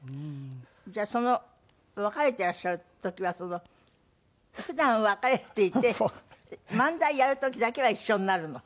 じゃあその別れてらっしゃる時は普段別れていて漫才やる時だけは一緒になるの？